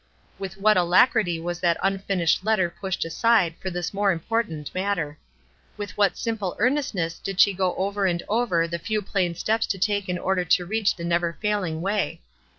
With what alacrity was that unfinished letter pushed aside for this more important matter. With what simple earnest ness did she go over and over the few plain steps to take in order to reach the never failing way.